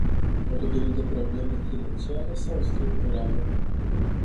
Vorbim de probleme financiare sau structurale?